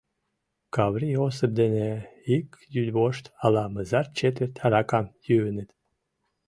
Каврий Осып дене ик йӱдвошт ала-мызар четверть аракам йӱыныт.